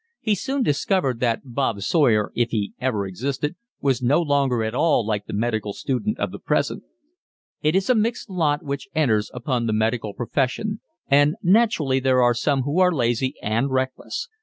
He soon discovered that Bob Sawyer, if he ever existed, was no longer at all like the medical student of the present. It is a mixed lot which enters upon the medical profession, and naturally there are some who are lazy and reckless.